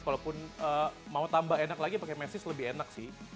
walaupun mau tambah enak lagi pakai mesis lebih enak sih